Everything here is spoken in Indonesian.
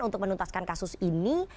untuk menuntaskan kasus ini